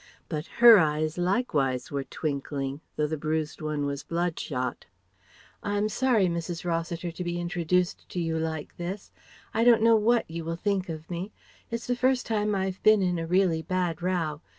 But her eyes likewise were twinkling, though the bruised one was bloodshot. "I'm sorry, Mrs. Rossiter, to be introduced to you like this. I don't know what you will think of me. It's the first time I've been in a really bad row....